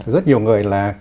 rất nhiều người là